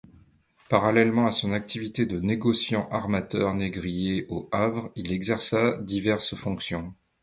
Parallèlement à son activité de négociant-armateur négrier au Havre, il exerça diverses fonctions.